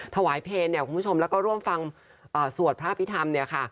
เพลเนี่ยคุณผู้ชมแล้วก็ร่วมฟังสวดพระอภิษฐรรมเนี่ยค่ะ